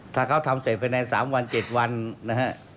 ถ้าเขาทำเสร็จภายใน๓วัน๗วันนะฮะ